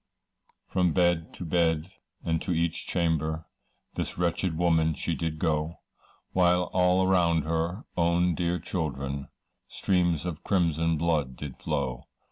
From bed to bed, and to each chamber, This wretched woman she did go, While all around her own dear children, Streams of crimson blood did flow.